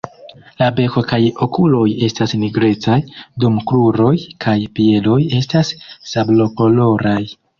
La beko kaj okuloj estas nigrecaj, dum kruroj kaj piedoj estas sablokoloraj.